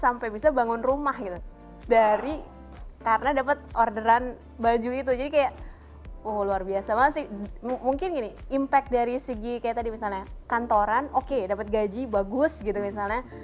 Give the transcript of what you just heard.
mungkin gini impact dari segi kayak tadi misalnya kantoran oke dapat gaji bagus gitu misalnya